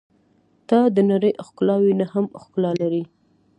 • ته د نړۍ ښکلاوې نه هم ښکلا لرې.